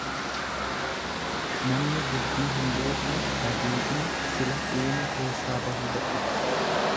Namni dubbii hin beekne badiidhuma sila uume keessaa bahuu dadhaba.